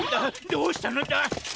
どうしたのだ？